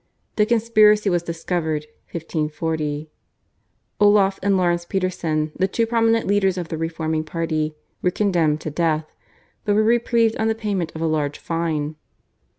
The conspiracy was discovered (1540). Olaf and Laurence Peterson, the two prominent leaders of the reforming party, were condemned to death, but were reprieved on the payment of a large fine.